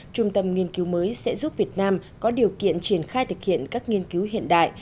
trung tâm nghiên cứu mới sẽ giúp việt nam có điều kiện triển khai thực hiện các nghiên cứu hiện đại